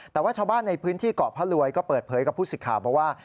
แต่ว่าชาวบ้านในพื้นที่เกาะพระรวยก็เปิดเผยกับผู้สิทธิ์ข่าวบอกว่า